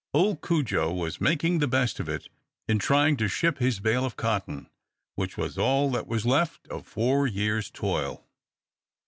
Old Cudjo was making the best of it in trying to ship his bale of cotton, which was all that was left of four years' toil.